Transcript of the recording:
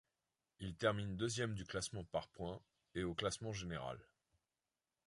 Il termine deuxième du classement par points et au classement général.